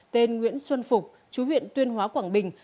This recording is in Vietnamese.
tên nguyễn xuân phục chú huyện tuyên hóa quảng bình